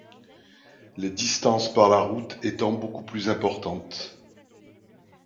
Les distances par la route étant beaucoup plus importantes.